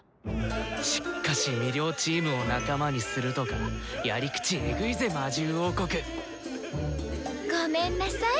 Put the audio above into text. しっかし魅了チームを仲間にするとかやり口エグいぜ魔獣王国！ごめんなさい。